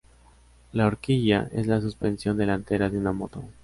La horquilla es la suspensión delantera de una moto.